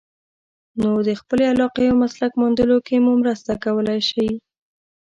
نو د خپلې علاقې او مسلک موندلو کې مو مرسته کولای شي.